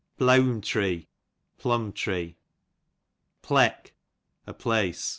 Pleawnitree, plumbtree. Pleck, a place.